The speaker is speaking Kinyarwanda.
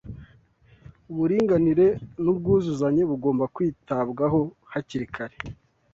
uburinganire n’ubwuzuzanye bugomba kwitabwaho hakiri kare